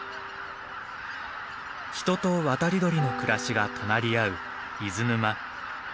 人と渡り鳥の暮らしが隣り合う伊豆沼。